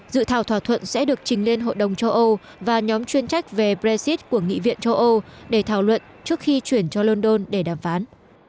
dự thảo thỏa thuận sẽ được trình lên hội đồng châu âu và nhóm chuyên trách về brexit của nghị viện châu âu để thảo luận trước khi chuyển cho london để đàm phán